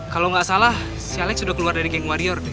kalau gak salah si alex udah keluar dari geng warrior deh